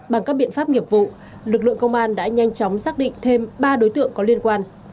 bằng các biện pháp nghiệp vụ lực lượng công an đã nhanh chóng xác định thêm ba đối tượng có liên quan